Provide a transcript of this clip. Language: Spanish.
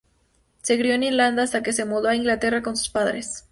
Se crio en Irlanda hasta que se mudó a Inglaterra con sus padres.